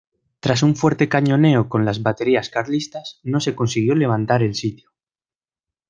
Tras un fuerte cañoneo con las baterías carlistas, no se consiguió levantar el sitio.